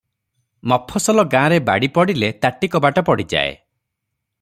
ମଫସଲ ଗାଁ’ରେ ବାଡ଼ି ପଡ଼ିଲେ ତାଟି କବାଟ ପଡ଼ିଯାଏ ।